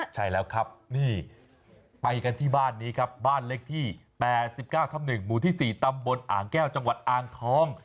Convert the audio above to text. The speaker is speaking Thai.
ใช่แล้วครับนี่ไปกันที่บ้านนี้ครับบ้านเล็กที่๘๙ทับ๑หมู่ที่๔ตำบลอ่างแก้วจังหวัดอ่างทอง